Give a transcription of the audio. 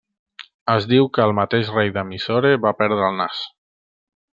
Es diu que el mateix rei de Mysore va perdre el nas.